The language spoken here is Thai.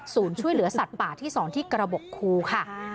ช่วยเหลือสัตว์ป่าที่๒ที่กระบบคูค่ะ